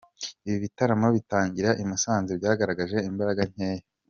Ibi bitaramo bitangira i Musanze byagaragaje imbaraga nkeya.